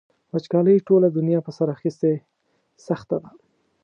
وچکالۍ ټوله دنیا په سر اخیستې سخته ده.